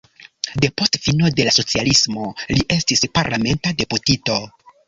Depost fino de la socialismo li estis parlamenta deputito.